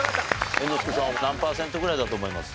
猿之助さん何パーセントぐらいだと思います？